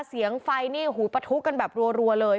เสียงไฟนี่หูปะทุกันแบบรัวเลย